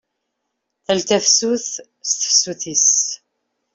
Tal tafsut, s tefsut-is.